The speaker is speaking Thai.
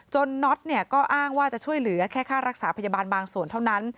น็อตก็อ้างว่าจะช่วยเหลือแค่ค่ารักษาพยาบาลบางส่วนเท่านั้น